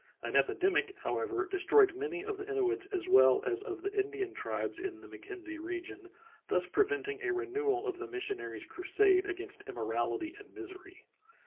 An epidemic, however, destroyed many of the Inuits as well as of the Indian tribes in the Mackenzie region, thus preventing a renewal of the missionary's crusade against immoral ity and misery.